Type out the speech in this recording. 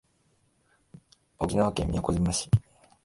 沖縄県宮古島市